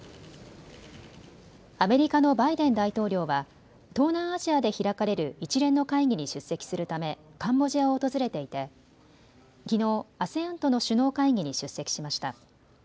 アメリカのバイデン大統領は東南アジアで開かれる一連の会議に出席するためカンボジアを訪れていてきのうＡＳＥＡＮとの首脳会議に出席しました。